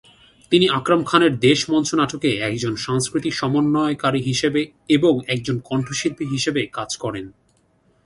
তিনি আকরাম খানের "দেশ" মঞ্চনাটকে একজন সাংস্কৃতিক সমন্বয়কারী হিসাবে এবং একজন কণ্ঠ শিল্পী হিসেবে কাজ করেন।